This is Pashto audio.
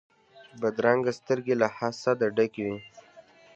بدرنګه سترګې له حسده ډکې وي